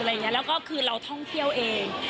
แล้วก็คือเราท่องเที่ยวเอง